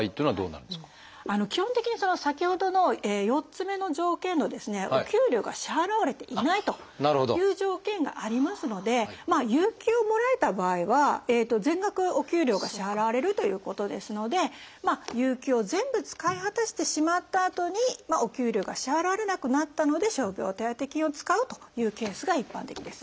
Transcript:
基本的に先ほどの４つ目の条件のですねお給料が支払われていないという条件がありますので有給をもらえた場合は全額お給料が支払われるということですので有給を全部使い果たしてしまったあとにお給料が支払われなくなったので傷病手当金を使うというケースが一般的です。